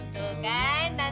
tuh kan tante